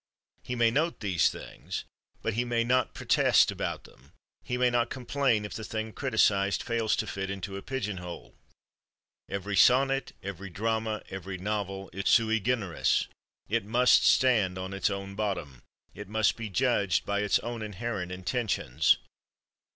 He may note these things, but he may not protest about them—he may not complain if the thing criticized fails to fit into a pigeon hole. Every sonnet, every drama, every novel is sui generis; it must stand on its own bottom; it must be judged by its own inherent intentions.